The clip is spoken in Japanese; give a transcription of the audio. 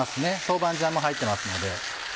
豆板醤も入ってますので。